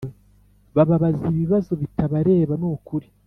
Babaza ibibabazo bitabareba nukuri